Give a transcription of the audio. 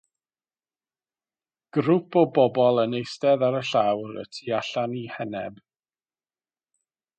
Grŵp o bobl yn eistedd ar y llawr y tu allan i heneb.